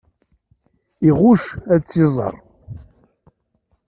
Iɣucc ad tt-iẓer.